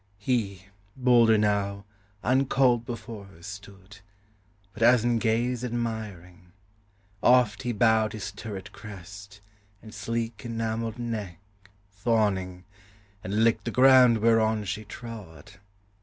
He, bolder now, uncalled before her stood, But as in gaze admiring: oft he bowed His turret crest, and sleek enamelled neck, Fawning; and licked the ground whereon she trod.